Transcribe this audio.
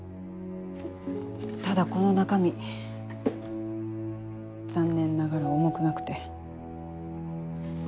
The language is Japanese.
ただこの中身残念ながら重くなくて。